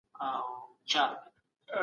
زه له سهار راهیسې په بڼ کي کار کوم.